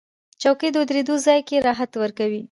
چوکۍ د اورېدو ځای کې راحت ورکوي.